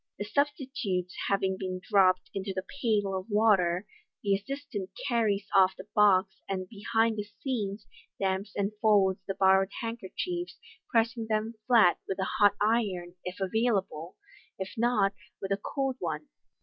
The substitutes having been dropped into the pail of watei, the assistant carries off the box, and behind the scenes damps and folds the borrowed handkerchiefs, pressing them flat with 9 hot iron, if available 5 if not, with a cold one.